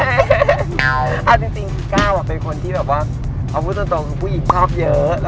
เอาจริงก้าวเป็นคนที่แบบว่าเอาพูดตรงคือผู้หญิงชอบเยอะ